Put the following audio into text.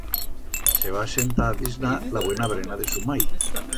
Se va asentar a disnar la buena brena de su mai.